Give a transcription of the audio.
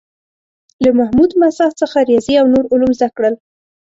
له محمود مساح څخه ریاضي او نور علوم زده کړل.